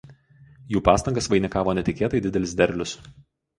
Jų pastangas vainikavo netikėtai didelis derlius.